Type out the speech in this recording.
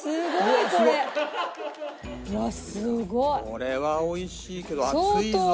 これは美味しいけど熱いぞ。